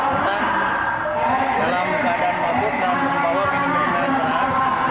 ini bukan hal yang bersyaratan dalam keadaan wabuk dalam kebawah di dunia yang keras